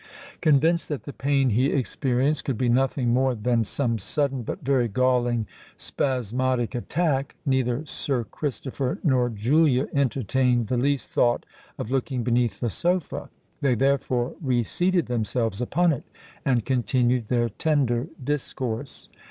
Convinced that the pain he experienced could be nothing more than some sudden but very galling spasmodic attack, neither Sir Christopher nor Julia entertained the least thought of looking beneath the sofa: they therefore re seated themselves upon it, and continued their tender discourse.